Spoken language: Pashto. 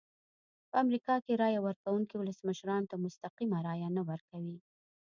په امریکا کې رایه ورکوونکي ولسمشرانو ته مستقیمه رایه نه ورکوي.